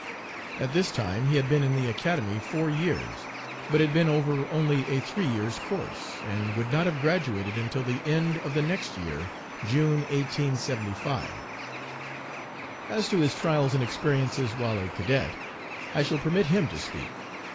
At this time he had been in the Academy four years, but had been over only a three years' course, and would not have graduated until the end of the next year, June, 1875. As to his trials and experiences while a cadet, I shall permit him to speak.